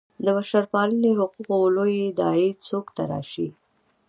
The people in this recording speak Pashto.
د بشرپالنې حقوقو لویې داعیې څوک تراشي.